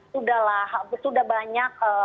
sudahlah sudah banyak